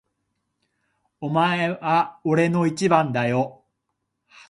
お前は俺の一番だよ。